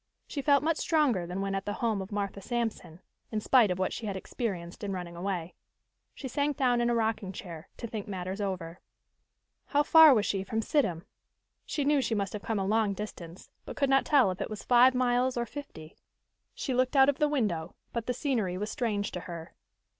She felt much stronger than when at the home of Martha Sampson, in spite of what she had experienced in running away. She sank down in a rocking chair, to think matters over. How far was she from Sidham? She knew she must have come a long distance, but could not tell if it was five miles or fifty. She looked out of the window, but the scenery was strange to her.